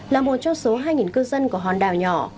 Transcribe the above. là một trong số hai cư dân của hòn đảo nhỏ